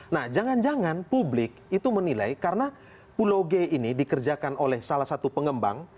nah jangan jangan publik itu menilai karena pulau g ini dikerjakan oleh salah satu pengembang